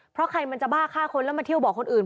เพราะใครมันจะบ้าฆ่าคนแล้วมาเที่ยวบอกคนอื่น